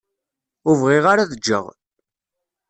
Ur bɣiɣ ara ad ǧǧeɣ.